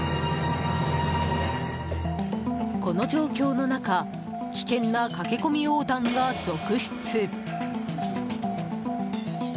この状況の中危険な駆け込み横断が続出。